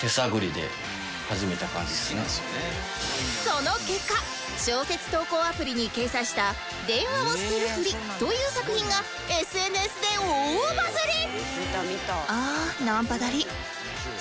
その結果小説投稿アプリに掲載した『電話をしてるふり』という作品が ＳＮＳ で大バズリ